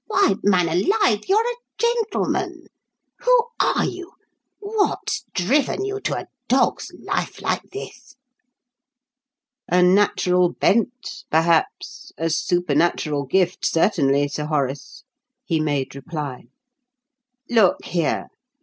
Why, man alive, you're a gentleman! Who are you? What's driven you to a dog's life like this?" "A natural bent, perhaps; a supernatural gift, certainly, Sir Horace," he made reply. "Look here!